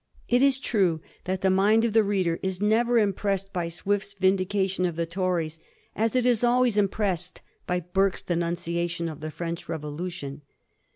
It is true that the mind of the reader is never impressed by Swift's vindication of the Tories, as it is alwajrs impressed by Burke's denunciation of the French Revolution.